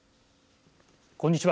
こんにちは。